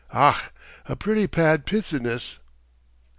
Ach! a pretty pad piziness!"